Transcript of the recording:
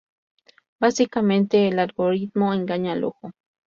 Básicamente, el algoritmo engaña al ojo.